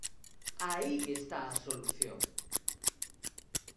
Aí está a solución.